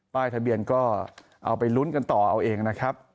ทะเบียนก็เอาไปลุ้นกันต่อเอาเองนะครับ